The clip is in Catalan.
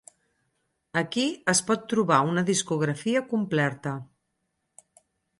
Aquí es pot trobar una discografia complerta.